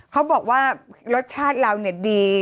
เขาบอกว่ารสชาติเราดี